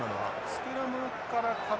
スクラムから。